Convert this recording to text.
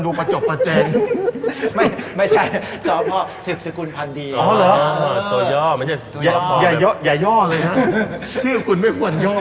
อย่าย่ออย่าย่อเลยนะชื่อคุณไม่ควรย่อ